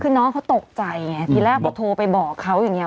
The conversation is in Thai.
คือน้องเขาตกใจไงทีแรกพอโทรไปบอกเขาอย่างนี้